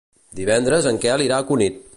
Divendres en Quel irà a Cunit.